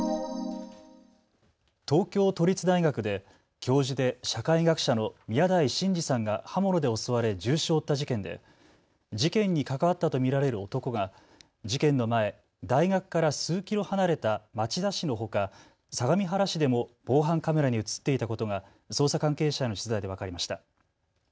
東京都立大学で教授で社会学者の宮台真司さんが刃物で襲われ重傷を負った事件で事件に関わったと見られる男が事件の前、大学から数キロ離れた町田市のほか、相模原市でも防犯カメラに写っていたことが捜査関係者への取材で分かりました。